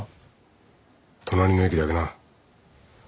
隣の駅だけな。